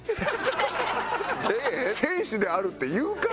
「選手である」って言うか？